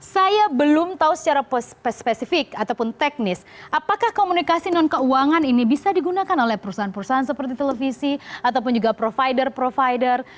saya belum tahu secara spesifik ataupun teknis apakah komunikasi non keuangan ini bisa digunakan oleh perusahaan perusahaan seperti televisi ataupun juga provider provider